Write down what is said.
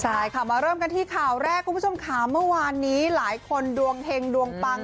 ใช่ค่ะมาเริ่มกันที่ข่าวแรกคุณผู้ชมค่ะเมื่อวานนี้หลายคนดวงเฮงดวงปัง